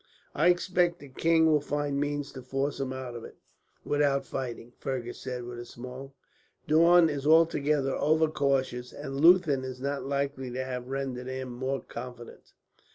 "I expect the king will find means to force him out of it, without fighting," Fergus said with a smile. "Daun is altogether over cautious, and Leuthen is not likely to have rendered him more confident."